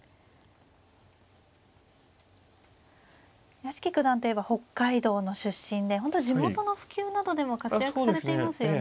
屋敷九段といえば北海道の出身で本当地元の普及などでも活躍されていますよね。